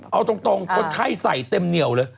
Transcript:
เอาตรงคนไข้ใส่เต็มเหนียวเลย